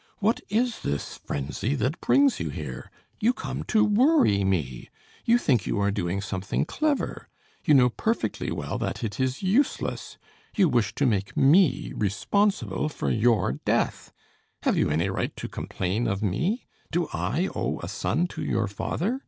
What is this frenzy that brings you here? You come to worry me; you think you are doing something clever; you know perfectly well that it is useless; you wish to make me responsible for your death. Have you any right to complain of me? Do I owe a son to your father?